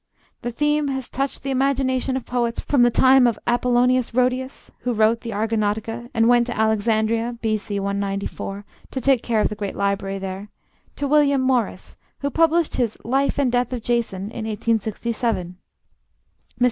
The theme has touched the imagination of poets from the time of Apollonius Rhodius, who wrote the 'Argonautica' and went to Alexandria B.C. 194 to take care of the great library there, to William Morris, who published his 'Life and Death of Jason' in 1867. Mr.